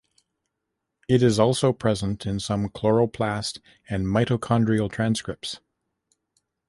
It is also present in some chloroplast and mitochondrial transcripts.